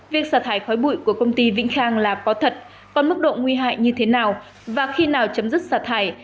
việc xả thải khói bụi của công ty vĩnh khang là có thật còn mức độ nguy hại như thế nào và khi nào chấm dứt xả thải